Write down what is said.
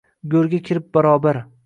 Go’rga kirib barobar